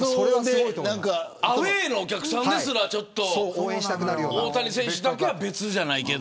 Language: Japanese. アウェーのお客さんですら大谷選手は別じゃないけど。